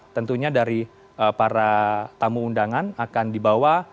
tentunya dari para tamu undangan akan dibawa